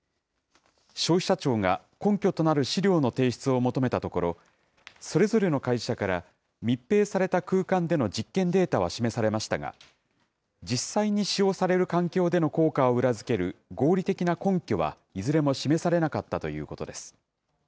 消費者庁が根拠となる資料の提出を求めたところ、それぞれの会社から、密閉された空間での実験データは示されましたが、実際に使用される環境での効果を裏付ける合理的な根拠はいずれも示されなかったということです。